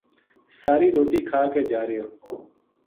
ساری روٹی کھا کے جا رہیو